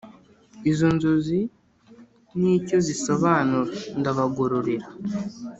Izo nzozi n,icyo zisobanura ndabagororera